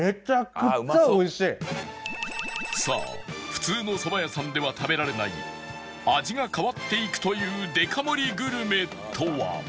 さあ普通のそば屋さんでは食べられない味が変わっていくというデカ盛りグルメとは？